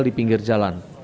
di pinggir jalan